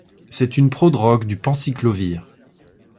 C'est une prodrogue du penciclovir.